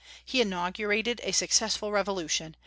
He inaugurated a successful revolution.